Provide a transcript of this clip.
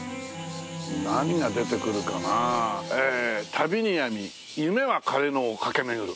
「旅に病み夢は枯野をかけ廻る」。